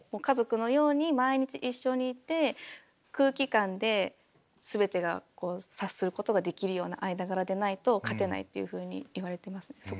家族のように毎日一緒にいて空気感で全てが察することができるような間柄でないと勝てないっていうふうに言われてますね。